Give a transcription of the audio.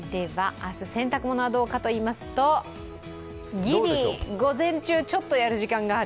明日、洗濯物はどうかといいますと、ギリ、午前中ちょっとやる時間がある。